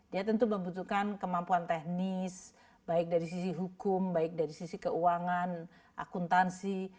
dia tentu membutuhkan kemampuan teknis baik dari sisi hukum baik dari sisi keuangan akuntansi